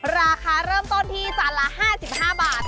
ราคาเริ่มต้นที่จานละ๕๕บาท